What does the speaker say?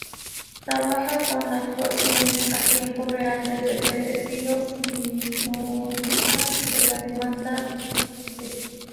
Trabaja con actualizaciones a tiempo real desde pedidos minoristas de la demanda del cliente.